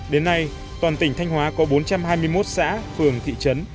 đến nay toàn tỉnh thanh hóa có bốn trăm hai mươi một xã phường thị trấn